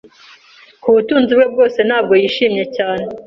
Kubutunzi bwe bwose, ntabwo yishimye cyane.